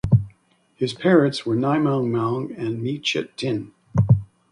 His parents were Nai Maung Maung and Mi Chit Tin.